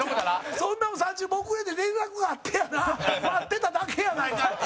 そんなもん、３０分遅れるって連絡があってやな待ってただけやないかい。